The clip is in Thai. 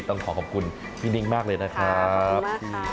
ต้องขอขอบคุณยินดีมากเลยนะครับ